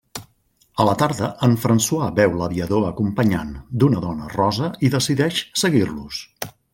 A la tarda en François veu l'aviador acompanyant d'una dona rosa i decideix seguir-los.